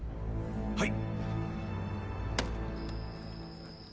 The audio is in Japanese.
はい。